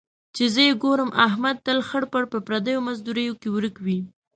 چې زه یې ګورم، احمد تل خړ پړ په پردیو مزدوریو کې ورک وي.